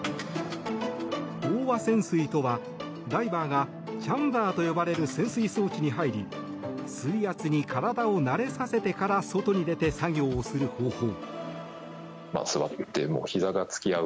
飽和潜水とは、ダイバーがチャンバーと呼ばれる潜水装置に入り水圧に体を慣れさせてから外に出て作業をする方法。